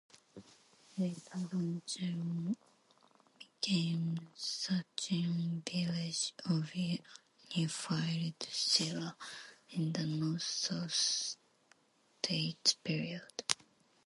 Later Dongducheon became Sacheon village of Unified Silla in the North-South States Period.